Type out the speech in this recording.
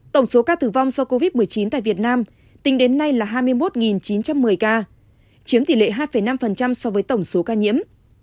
tổng số ca tử vong do covid một mươi chín tại việt nam tính đến nay là hai mươi một chín trăm một mươi ca chiếm tỷ lệ hai năm so với tổng số ca nhiễm